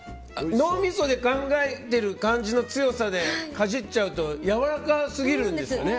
脳みそで考えてる感じの強さでかじっちゃうとやわらかすぎるんですよね。